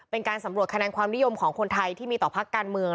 เป็นการสำรวจคะแนนความนิยมของคนไทยที่มีต่อพักการเมือง